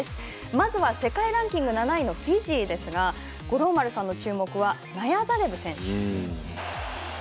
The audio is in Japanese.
まずは世界ランキング７位のフィジーですが五郎丸さんの注目はナヤザレブ選手。